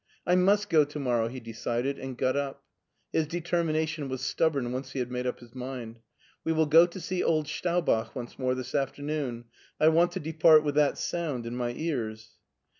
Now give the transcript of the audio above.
" I must go to morrow," he decided, and got up. His determination was stubborn once he had made up his mind. *' We will go to see old Staubach once more this afternoon. I want to depart with that sound in my cars."